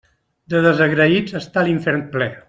De desagraïts està l'infern ple.